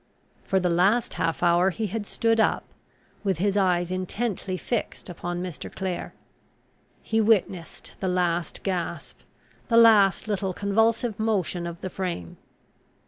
For the last half hour he had stood up, with his eyes intently fixed upon Mr. Clare. He witnessed the last gasp, the last little convulsive motion of the frame.